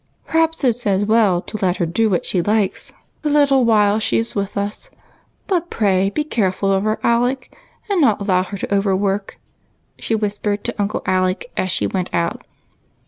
" Perhaps it 's as well to let her do what she likes the little while she is with us. But pray be careful of her, Alec, and not allow her to overwork," she whis pered as she went out.